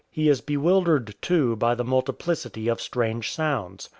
He is bewildered, too, by the multiplicity of strange sounds.